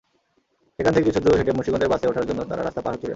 সেখান থেকে কিছুদূর হেঁটে মুন্সিগঞ্জের বাসে ওঠার জন্য তাঁরা রাস্তা পার হচ্ছিলেন।